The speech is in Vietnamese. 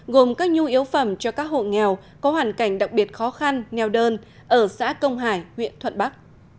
gồm các nhu yếu phẩm cho các hộ nghèo có hoàn cảnh đặc biệt khó khăn nèo đơn ở xã công hải huyện thuận bắc